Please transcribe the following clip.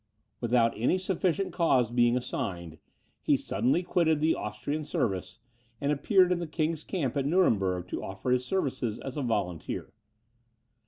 Without any sufficient cause being assigned, he suddenly quitted the Austrian service, and appeared in the king's camp at Nuremberg, to offer his services as a volunteer.